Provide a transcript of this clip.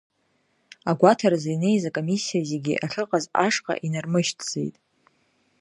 Агәаҭаразы инеиз акомиссиа зегьы ахьыҟаз ашҟа инармышьҭӡеит.